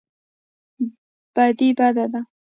بدي بده ده.